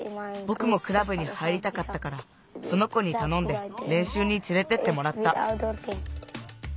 ぼくもクラブに入りたかったからその子にたのんでれんしゅうにつれてってもらった。